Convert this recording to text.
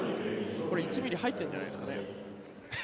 これ１ｍｍ入っているんじゃないですかね。